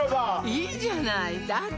いいじゃないだって